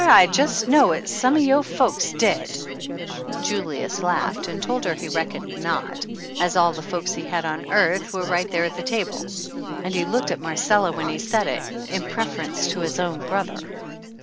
I jes' know it's some of yo' folks dead !" 115 THE ANNALS OF ANN Julius laughed and told her he reckoned not, as all the folks he had on earth were right there at the table, and he looked at Marcella when he said it in preference to his own brother